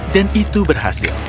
dan itu berhasil